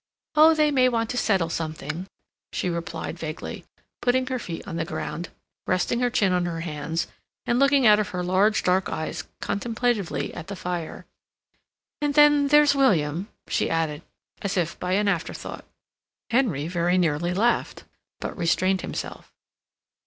"Oh, they may want to settle something," she replied vaguely, putting her feet on the ground, resting her chin on her hands, and looking out of her large dark eyes contemplatively at the fire. "And then there's William," she added, as if by an afterthought. Henry very nearly laughed, but restrained himself.